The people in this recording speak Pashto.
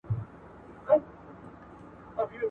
کتابتون د پوهانو د راټولېدو ځای دئ.